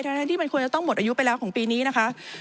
ทั้งที่มันควรจะต้องหมดอายุไปแล้วของปีนี้นะคะ